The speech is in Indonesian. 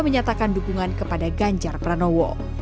p tiga menunjukkan dukungan kepada ganjar pranowo